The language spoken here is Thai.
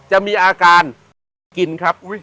จะมีอาการกินครับ